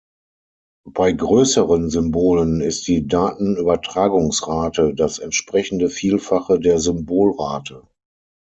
Bei größeren Symbolen ist die Datenübertragungsrate das entsprechende Vielfache der Symbolrate.